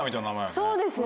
そうですね。